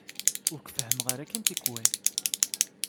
Ur k-fehhmeɣ ara kan tikwal.